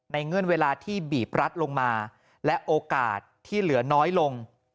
เงื่อนเวลาที่บีบรัดลงมาและโอกาสที่เหลือน้อยลง